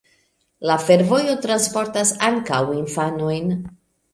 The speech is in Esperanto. La fervojo transportas ankaŭ infanojn.